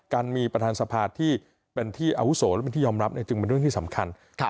การมีประธานสภาที่เป็นที่อาวุโสหรือเป็นที่ยอมรับจึงเป็นเรื่องที่สำคัญ